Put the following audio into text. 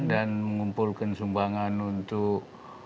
dan mengumpulkan sumbangan untuk